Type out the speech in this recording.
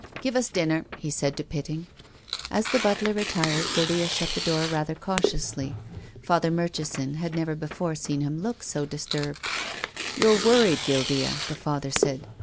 " Give us dinner," he said to Pitting. As the butler retired, Guildea shut the door rather cautiously. Father Murchison had never before seen him look so disturbed. " You're worried, Guildea," the Father said.